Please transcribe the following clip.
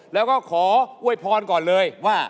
แล้วก็ขออวยพรก่อนเลยว่า